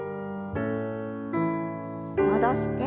戻して。